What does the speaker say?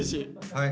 はい。